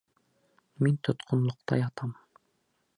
Мин тотҡонлоҡта ятам.